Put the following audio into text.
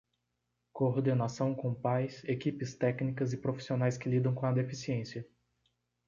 Coordenação com pais, equipes técnicas e profissionais que lidam com a deficiência.